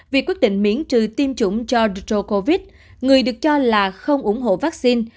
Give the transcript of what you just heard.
việc quyết định miễn trừ tiêm chủng cho dro covid người được cho là không ủng hộ vaccine